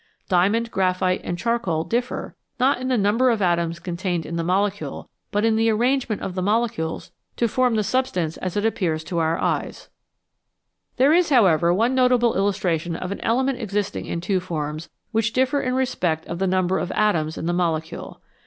Diamond, graphite, and charcoal differ, not in the number of atoms contained in the molecule, but in the arrangement of the molecules to form the substance as it appears to our eyes. 57 I ELEMENTS WITH DOUBLE IDENTITY There is, however, one notable illustration of an element existing in two forms which differ in respect of the number of atoms in the molecule.